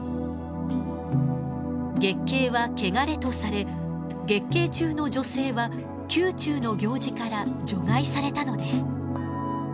月経は穢れとされ月経中の女性は宮中の行事から除外されたのです。